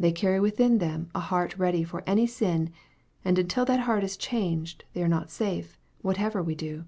They carry within them a heart ready for any sin, and until that heart is changed they are not safe, whatever we do.